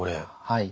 はい。